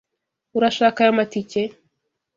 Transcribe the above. Urashaka aya matike?